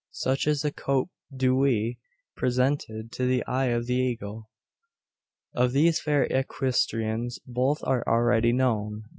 Such is the coup d'oeil presented to the eye of the eagle. Of these fair equestrians both are already known.